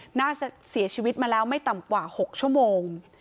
น่าจะเสียชีวิตมาแล้วไม่ต่ำกว่า๖ชั่วโมง